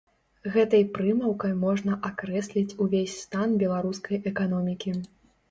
Гэтай прымаўкай можна акрэсліць увесь стан беларускай эканомікі.